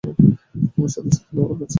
তোমার সাথে সদ্ব্যব্যবহারে কাজ হচ্ছে না।